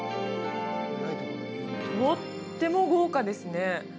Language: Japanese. とっても豪華ですね